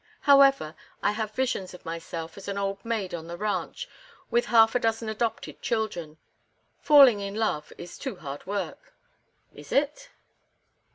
However, I have visions of myself as an old maid on the ranch with half a dozen adopted children. Falling in love is too hard work." "Is it?"